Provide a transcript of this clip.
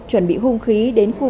chuẩn bị hung khí đến khu vực